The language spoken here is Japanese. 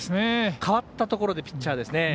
代わったところで、ピッチャー。